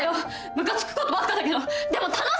ムカつくことばっかだけどでも楽しいじゃん！